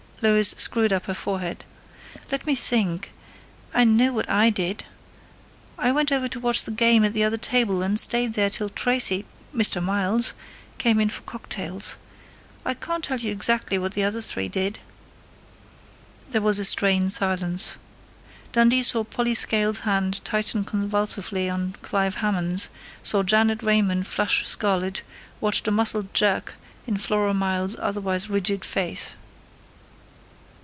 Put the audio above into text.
Lois screwed up her forehead. "Let me think I know what I did. I went over to watch the game at the other table, and stayed there till Tracey Mr. Miles came in for cocktails. I can't tell you exactly what the other three did." There was a strained silence. Dundee saw Polly Scale's hand tighten convulsively on Clive Hammond's, saw Janet Raymond flush scarlet, watched a muscle jerk in Flora Miles' otherwise rigid face.